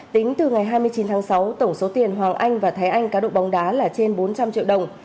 tính từ ngày hai mươi chín tháng sáu tổng số tiền hoàng anh và thái anh cá độ bóng đá là trên bốn trăm linh triệu đồng